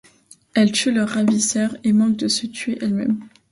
Elle tue leurs ravisseurs et manque de se tuer elle-même.